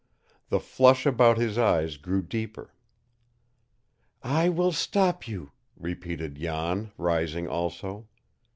The flush about his eyes grew deeper. "I will stop you," repeated Jan, rising also.